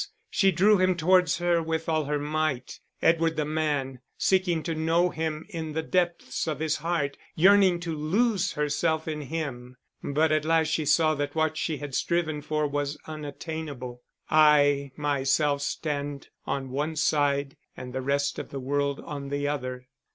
She drew him towards her with all her might, Edward the man, seeking to know him in the depths of his heart, yearning to lose herself in him. But at last she saw that what she had striven for was unattainable. _I myself stand on one side and the rest of the world on the other.